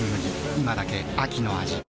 今だけ秋の味